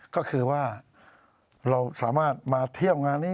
ก็คือว่าเราสามารถมาเที่ยวงานนี้